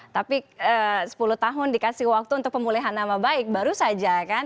tapi sepuluh tahun dikasih waktu untuk pemulihan nama baik baru saja kan